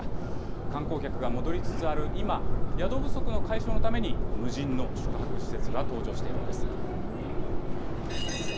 観光客が戻りつつある今、宿不足の解消のために、無人の宿泊施設が登場しているんです。